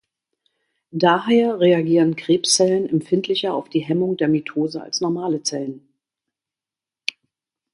Daher reagieren Krebszellen empfindlicher auf die Hemmung der Mitose als normale Zellen.